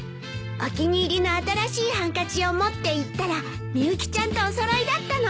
お気に入りの新しいハンカチを持っていったらみゆきちゃんとお揃いだったの。